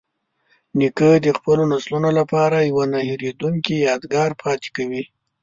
نیکه د خپلو نسلونو لپاره یوه نه هیریدونکې یادګار پاتې کوي.